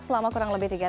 selama kurang lebih dari